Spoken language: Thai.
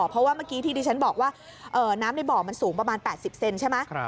เพราะว่าเมื่อกี้ที่ดิฉันบอกว่าน้ำในบ่อมันสูงประมาณ๘๐เซนใช่ไหม